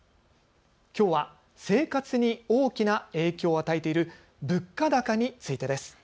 きょうは生活に大きな影響を与えている物価高についてです。